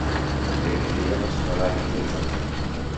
Lehen ideia pastorala egitea izan zen.